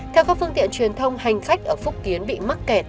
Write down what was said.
theo các phương tiện truyền thông hành khách ở phúc kiến bị mắc kẹt